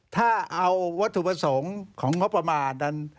ถ้าเอาวัตถุประสงค์ของงบประมาณนั้น